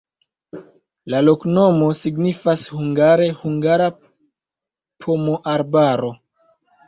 La loknomo signifas hungare: hungara-pomoarbaro.